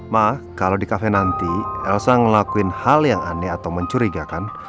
maka kalau di kafe nanti elsa ngelakuin hal yang aneh atau mencurigakan